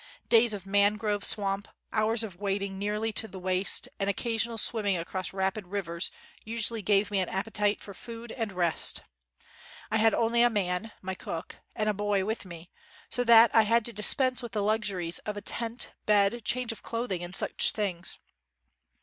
Days of man grove swamp, hours of wading nearly to the waist, and occasional swimming across rapid 50 JUNGLE ROADS AND OX CARTS rivers usually gave me an appetite for food and rest. I had only a man (my cook) and a boy with me, so that I had to dispense with the luxuries of a tent, bed, change of cloth ing, and such things.